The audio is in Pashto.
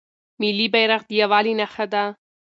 ملي بیرغ د یووالي نښه ده.